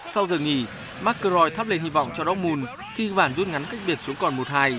sau giờ nghỉ mcelroy thắp lên hy vọng cho dortmund khi bàn rút ngắn cách biệt xuống còn một hai